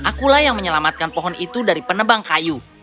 akulah yang menyelamatkan pohon itu dari penebang kayu